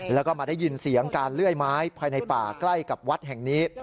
แล้วก็มาได้ยินเสียงการเลื่อยไม้ภายในป่าใกล้กับวัดแห่งนี้